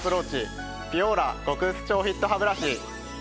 ピュオーラ極薄超フィットハブラシ。